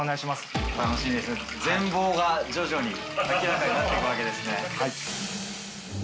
なって行くわけですね。